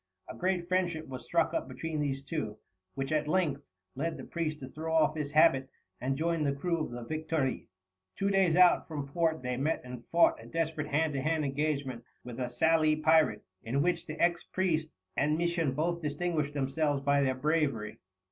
A great friendship was struck up between these two, which at length led the priest to throw off his habit and join the crew of the Victoire. Two days out from port they met and fought a desperate hand to hand engagement with a Sallee pirate, in which the ex priest and Misson both distinguished themselves by their bravery.